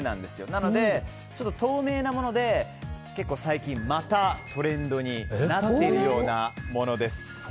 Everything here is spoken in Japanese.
なので、透明なもので最近、またトレンドになっているようなものです。